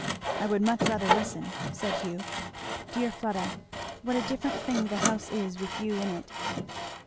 "I would much rather listen," said Hugh. "Dear Fleda, what a different thing the house is with you in it!"